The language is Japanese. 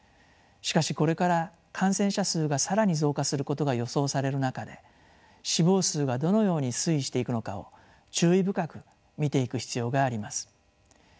しかしこれから感染者数が更に増加することが予想される中で死亡数がどのように推移していくのかを注意深く見ていく必要があります。